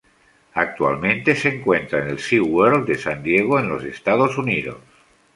Actualmente se encuentra en el Sea World de San Diego, en los Estados Unidos.